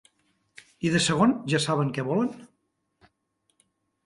I de segon ja saben què volen?